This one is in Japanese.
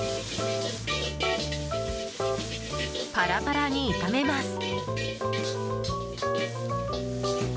パラパラに炒めます。